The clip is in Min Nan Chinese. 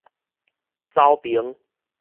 沼平